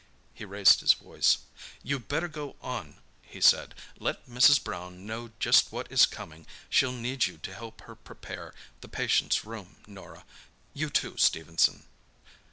He raised his voice. "You'd better go on," he said; "let Mrs. Brown know just what is coming; she'll need you to help her prepare the patient's room, Norah. You, too, Stephenson."